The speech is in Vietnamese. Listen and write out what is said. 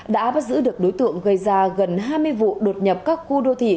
đã bắt giữ được đối tượng gây ra gần hai mươi vụ đột nhập các khu đô thị